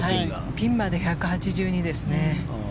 ピンまで１８２ですね。